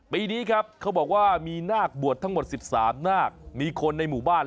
ปีนี้เขาบอกว่ามีน่ากบวช๑๓นาคมีคนในหมู่บ้าน